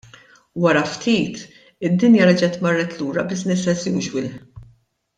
Wara ftit id-dinja reġgħet marret lura business as usual.